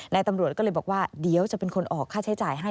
นายตำรวจก็เลยบอกว่าเดี๋ยวจะเป็นคนออกค่าใช้จ่ายให้